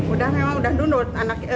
udah memang udah dundur